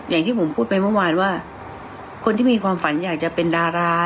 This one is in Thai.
อย่างที่ผมพูดไปเมื่อวานว่าคนที่มีความฝันอยากจะเป็นดารา